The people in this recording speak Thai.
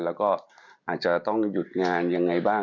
แล้วก็อาจจะต้องหยุดงานยังไงบ้าง